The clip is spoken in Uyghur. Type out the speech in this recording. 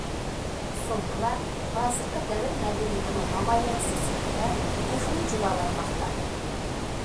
سومكىلار ھازىرقى دەۋر مەدەنىيىتىنىڭ نامايەندىسى سۈپىتىدە تېخىمۇ جۇلالانماقتا.